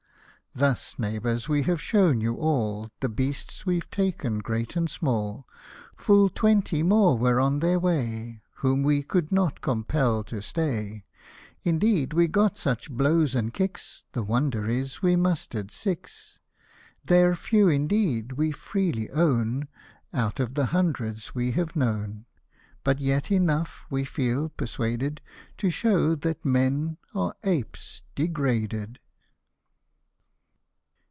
" Thus, neighbours, we have shown you all The beasts we've taken, great and small ; Full twenty more were on their way, Whom we could not compel to stay : Indeed, we got such blows and kicks, The wonder is we muster'd six. They're few indeed, we freely own, Out of the hundreds we have known ; But yet enough, we feel persuaded, To show that men are apes degraded."